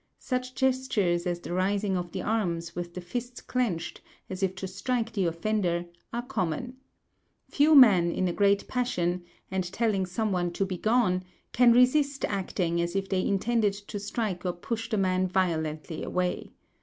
Such gestures as the raising of the arms, with the fists clenched, as if to strike the offender, are common. Few men in a great passion, and telling some one to begone, can resist acting as if they intended to strike or push the man violently away.